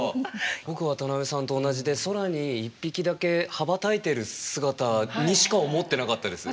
僕渡部さんと同じで空に１匹だけ羽ばたいてる姿にしか思ってなかったです。